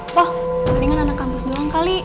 wah mendingan anak kampus doang kali